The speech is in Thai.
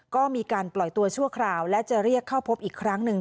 ก็มีการปล่อยตัวชั่วคราวและจะเรียกเข้าพบอีกครั้งหนึ่ง